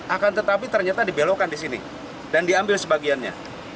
akan tetapi ternyata dibelokkan di sini dan diambil sebagiannya